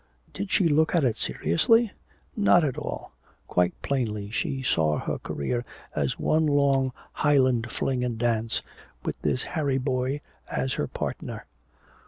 Did she look at it seriously? Not at all! Quite plainly she saw her career as one long Highland fling and dance, with this Harry boy as her partner!